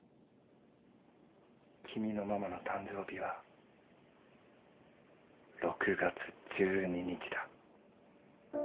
君のママの誕生日は６月１２日だ。